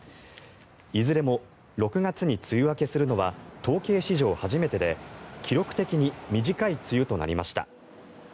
いずれも６月に梅雨明けするのは統計史上初めてで記録的に短い梅雨となりました。